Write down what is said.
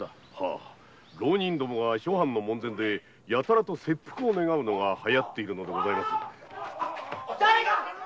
浪人どもが門前でやたらと切腹を願うのが流行っているのでございます。